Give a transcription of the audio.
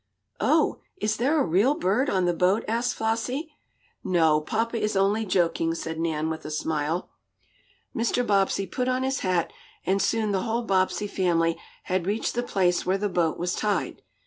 "Oh, is there a real bird on the boat?" asked Flossie. "No, papa is only joking," said Nan, with a smile. Mr. Bobbsey put on his hat, and soon the whole Bobbsey family had reached the place where the boat was tied.